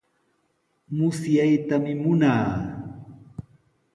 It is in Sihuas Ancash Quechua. Musyaytami munaa.